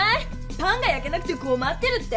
パンがやけなくてこまってるって？